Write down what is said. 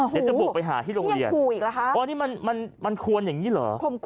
เดี๋ยวจะบุกไปหาที่โรงเรียนขู่อีกเหรอคะนี่มันควรอย่างนี้เหรอ